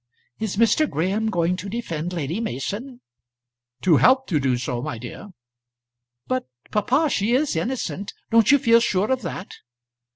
"Is Mr. Graham going to defend Lady Mason?" "To help to do so, my dear." "But, papa, she is innocent; don't you feel sure of that?"